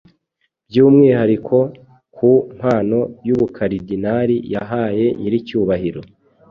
byumwihariko ku mpano y’Ubukaridinali yahaye Nyiricyubahiro